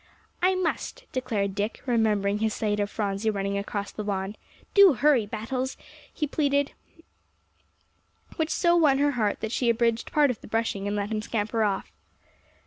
"I must," declared Dick, remembering his sight of Phronsie running across the lawn; "do hurry, Battles," he pleaded, which so won her heart that she abridged part of the brushing, and let him scamper off.